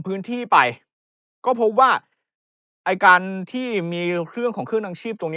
พื้นที่ไปก็พบว่าไอ้การที่มีเครื่องของเครื่องดังชีพตรง